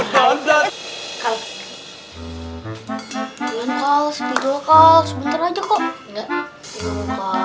hidup ganda kalau dengan hal sepeda lokal sebentar aja kok enggak